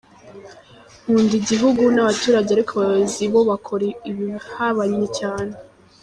Nkunda igihugu, n’abaturage ariko abayobozi bo bakora ibihabanye cyane.